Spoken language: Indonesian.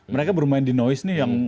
mereka bermain di noise nih yang